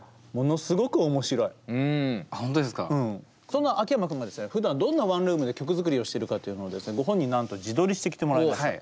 そんな秋山君がですねふだんどんなワンルームで曲作りをしてるかというのをご本人になんと自撮りしてきてもらいました。